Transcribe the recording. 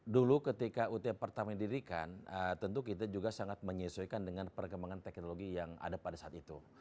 dulu ketika ut pertama didirikan tentu kita juga sangat menyesuaikan dengan perkembangan teknologi yang ada pada saat itu